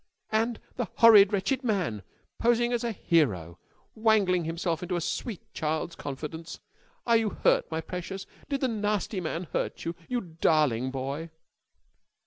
And the horrid, wretched man! Posing as a hero. Wangling himself into the sweet child's confidence. Are you hurt, my precious? Did the nasty man hurt you? You darling boy!"